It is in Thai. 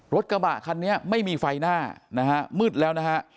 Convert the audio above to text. รถกระบะคันนี้ไม่มีไฟหน้านะฮะมืดแล้วนะฮะ